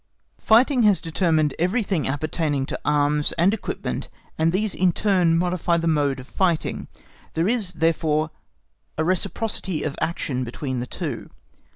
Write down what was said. Fighting has determined everything appertaining to arms and equipment, and these in turn modify the mode of fighting; there is, therefore, a reciprocity of action between the two.